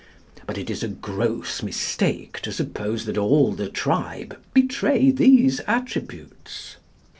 But it is a gross mistake to suppose that all the tribe betray these attributes.